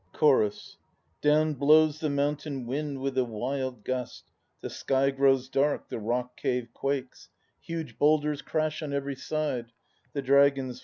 CHORUS. Down blows the mountain wind with a wild gust, The sky grows dark, The rock cave quakes, Huge boulders crash on every side; The dragons* forms appear.